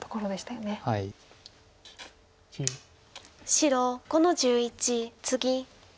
白５の十一ツギ。